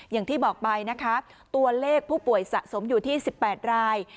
อย่างที่บอกไปนะคะตัวเลขผู้ป่วยสะสมอยู่ที่๑๘ราย